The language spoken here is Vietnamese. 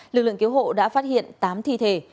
lực lượng cứu hộ đã phát hiện tám thi thể